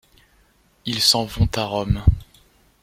Ils s'en vont à Rome.